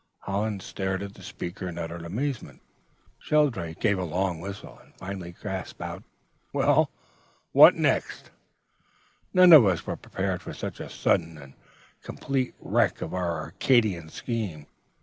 "Hollins stared at the speaker in utter amazement. Shelldrake gave a long whistle, and finally gasped out: "'Well, what next?' "None of us were prepared for such a sudden and complete wreck of our Arcadian scheme.